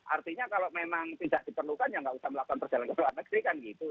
artinya kalau memang tidak diperlukan ya nggak usah melakukan perjalanan ke luar negeri kan gitu